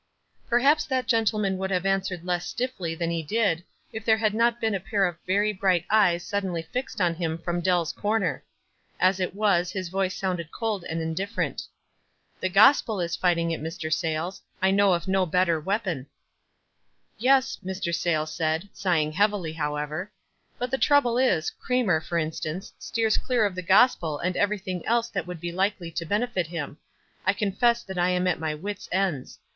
Perhaps that gentleman would have answered less stiffly than he did it' there had not been a pair of very bright eyes suddenly fixed on him from Dell's corner. As it was his voice sounded cold and indifferent. "The gospel is fighting it, Mr. Sayles. I know of no better weapon. "Yes," Mr. Sayles said, sighing heavily, how ever. "But the trouble is, Cramer, for in stance, steers clear of the gospel and everything else that would be likely to benefit him. I con fess that I am at my wits' ends.